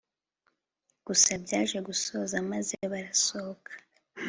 gusa byaje gusoza maze barasohoka